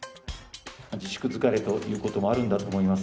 自粛疲れということもあるんだと思います。